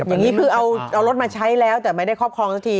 อย่างนี้คือเอารถมาใช้แล้วแต่ไม่ได้ครอบครองสักที